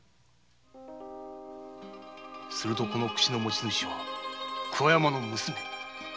するとこの櫛の持ち主は桑山の娘。